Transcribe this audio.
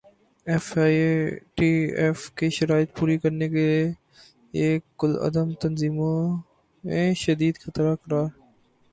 F A T F کی شرائط پوری کرنے کیلئے کالعدم تنظیمیںشدید خطرہ قرار